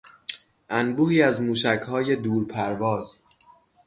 انبوهی از موشکهای دورپرواز